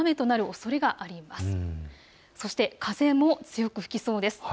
そして風も強く吹きそうです。